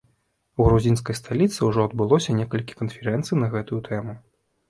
У грузінскай сталіцы ўжо адбылося некалькі канферэнцый на гэтую тэму.